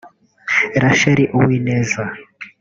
Rachel Uwineza